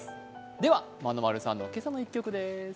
ではまなまるさんの「けさの１曲」です。